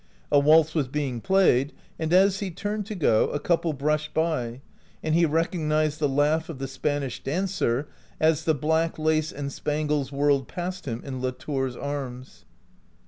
A waltz was being played, and as he turned to go, a couple brushed by, and he recognized the laugh of the Spanish dancer, as the black lace and spangles whirled past him, in Latour's arms.